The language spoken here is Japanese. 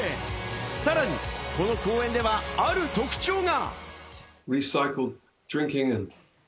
さらにこの公演では、ある特徴が。